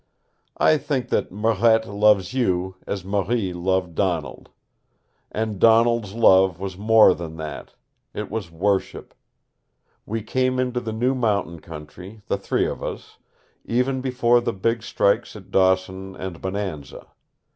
I think that Marette loves you as Marie loved Donald. And Donald's love was more than that. It was worship. We came into the new mountain country, the three of us, even before the big strikes at Dawson and Bonanza.